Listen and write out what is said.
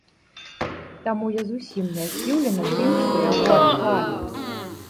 Таму я зусім не здзіўлены тым, што яго адклалі.